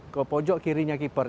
ke pojok kirinya keeper